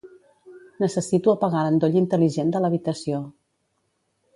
Necessito apagar l'endoll intel·ligent de l'habitació.